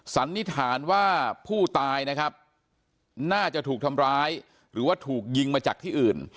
สันนิษฐานว่าผู้ตายนะครับน่าจะถูกทำร้ายหรือว่าถูกยิงมาจากที่อื่น